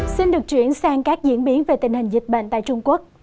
xin được chuyển sang các diễn biến về tình hình dịch bệnh tại trung quốc